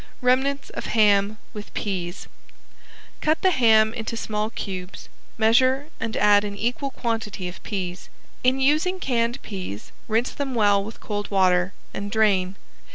~REMNANTS OF HAM WITH PEAS~ Cut the ham into small cubes, measure and add an equal quantity of peas. In using canned peas rinse them well with cold water and drain.